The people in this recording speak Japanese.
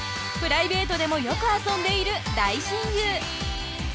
プライベートでもよく遊んでいる大親友。